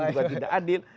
juga tidak adil